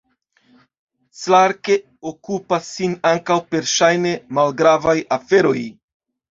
Clarke okupas sin ankaŭ per ŝajne malgravaj aferoj.